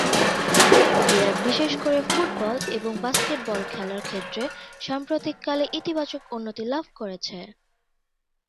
Iraq বিশেষ করে football এবং বাস্কেটবল খেলার ক্ষেত্রে সাম্প্রতিককালে ইতিবাচক উন্নতি লাভ করেছে।